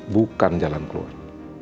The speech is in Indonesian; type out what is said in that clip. bukan jalan keluar